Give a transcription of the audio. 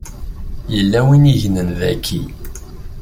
Yella win i yegnen daki.